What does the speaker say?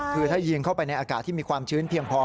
คือถ้ายิงเข้าไปในอากาศที่มีความชื้นเพียงพอ